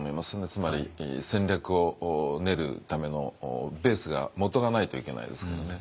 つまり戦略を練るためのベースがもとがないといけないですからね。